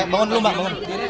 bangun dulu bang